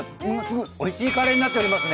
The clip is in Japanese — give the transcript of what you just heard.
おいしいカレーになっておりますね。